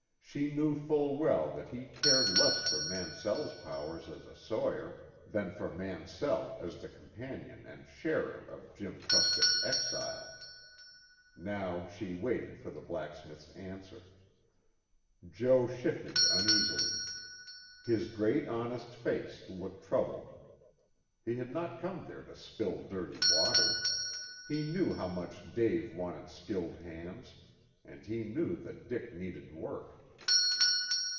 She knew full well that he cared less for Mansell's powers as a sawyer than for Mansell as the companion and sharer of Jim Truscott's exile. Now she waited for the blacksmith's answer. Joe shifted uneasily. His great honest face looked troubled. He had not come there to spill dirty water. He knew how much Dave wanted skilled hands, and he knew that Dick needed work.